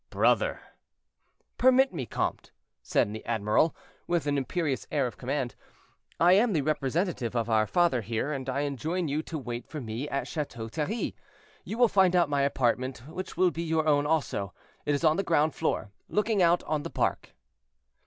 "Brother—" "Permit me, comte," said the admiral, with an imperious air of command, "I am the representative of our father here, and I enjoin you to wait for me at Chateau Thierry. You will find out my apartment, which will be your own also; it is on the ground floor, looking out on the park."